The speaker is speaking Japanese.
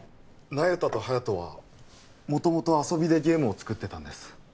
那由他と隼人はもともと遊びでゲームを作ってたんです